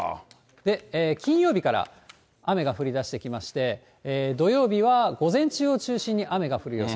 金曜日から雨が降りだしてきまして、土曜日は午前中を中心に雨が降る予想。